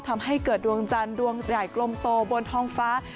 ทำให้เกิดดวงจันทร์ดวงใหญ่กลมโตบนท้องฟ้า